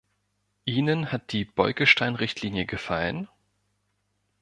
Ihnen hat die Bolkestein-Richtlinie gefallen?